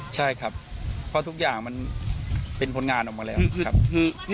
ใช่ครับเพราะทุกอย่างมันเป็นผลงานออกมาแล้วครับ